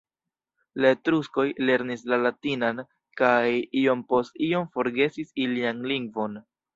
La etruskoj lernis la latinan kaj iom post iom forgesis ilian lingvon.